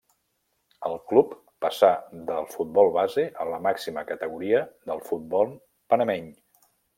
El club passà del futbol base a la màxima categoria del futbol panameny.